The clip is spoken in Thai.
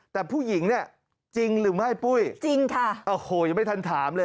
แต่ผู้หญิงเนี่ยจริงหรือไม่ปุ้ยจริงค่ะโอ้โหยังไม่ทันถามเลย